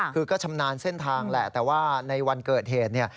คือก็ชำนาญเส้นทางแหละแต่ว่าในวันเกิดเหตุเนี่ย